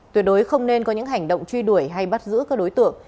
tuyệt đối không nên có những hành động truy đuổi hay bắt giữ các đối tượng